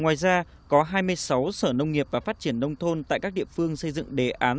ngoài ra có hai mươi sáu sở nông nghiệp và phát triển nông thôn tại các địa phương xây dựng đề án